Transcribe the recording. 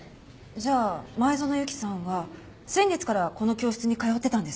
じゃあ前園由紀さんは先月からこの教室に通ってたんですね。